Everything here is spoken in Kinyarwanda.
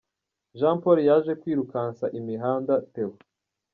Jean Paul yaje kwirukansa imihanda Theo.